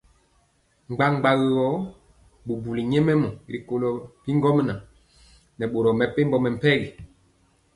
Bgabgagɔ bubuli nyɛmemɔ rikolo bi ŋgomnaŋ nɛ boro mepempɔ mɛmpegi.